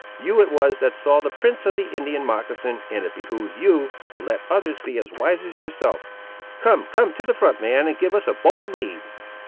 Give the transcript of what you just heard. You it was that saw the prints of the Indian moccasin, and it behoves you, to let others be as wise as yourself. Come; come to the front, man; and give us a bold lead."